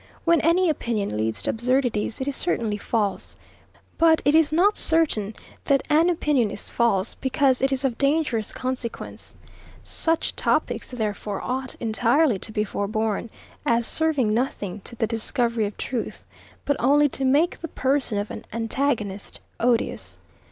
When any opinion leads to absurdities, it is certainly false; but it is not certain that an opinion is false, because it is of dangerous consequence. Such topics, therefore, ought entirely to be forborne; as serving nothing to the discovery of truth, but only to make the person of an antagonist odious.